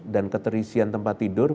dan keterisian tempat tidur